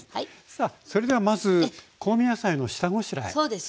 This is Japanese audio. さあそれではまず香味野菜の下ごしらえですね。